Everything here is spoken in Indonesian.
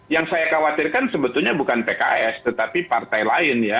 yang saya khawatirkan sebetulnya bukan pks tetapi partai lain ya